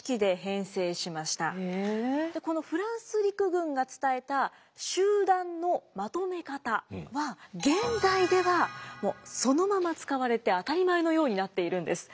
このフランス陸軍が伝えた集団のまとめ方は現代ではそのまま使われて当たり前のようになっているんです。